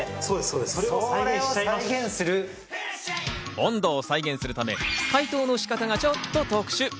温度を再現するため解凍の仕方がちょっと特殊。